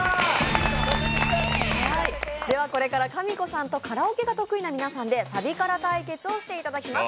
これからかみこさんとカラオケが得意な皆さんでサビカラ対決をしていただきます。